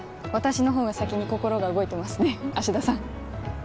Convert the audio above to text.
私のほうが先に心が動いてますね芦田さん